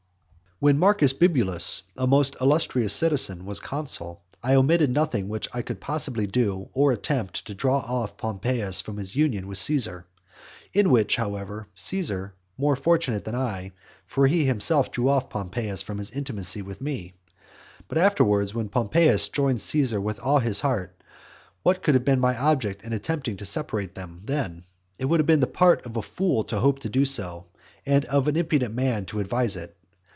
X. When Marcus Bibulus, a most illustrious citizen, was consul, I omitted nothing which I could possibly do or attempt to draw off Pompeius from his union with Caesar. In which, however, Caesar was more fortunate than I, for he himself drew off Pompeius from his intimacy with me. But afterwards, when Pompeius joined Caesar with all his heart, what could have been my object in attempting to separate them then? It would have been the part of a fool to hope to do so, and of an impudent man to advise it.